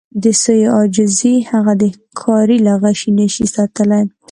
د سویې عاجزي هغه د ښکاري له غشي نه شي ساتلی.